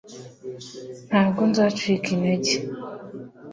ntabwo nzacika intege